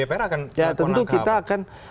akan melakukan angkapan ya tentu kita akan